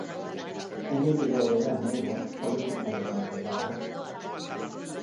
Emilio bere anaia politikaria ere bada.